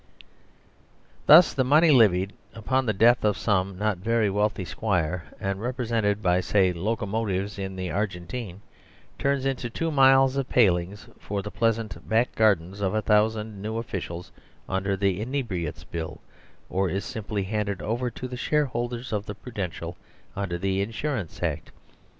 * Thus the money levied upon the death of some not very wealthy squire and represented by, say, locomotives in the Argentine, turns into two miles of palings for the pleasant back gardens of a thousand new officials under the Inebriates Bill, or is simply handed over to the shareholders of the Prudential under the Insurance Act.